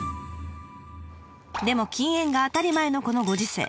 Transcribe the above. でも禁煙が当たり前のこのご時世。